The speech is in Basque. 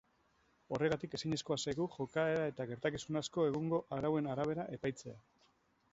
Horregatik ezinezkoa zaigu jokaera eta gertakizun asko egungo arauen arabera epaitzea.